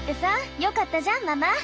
よかったじゃんママ。